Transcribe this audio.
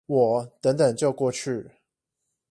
我等等就過去